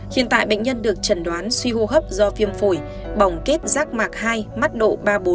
hiện tại bệnh nhân được trần đoán suy hô hấp do viêm phổi bỏng kết rác mạc hai mắt độ ba bốn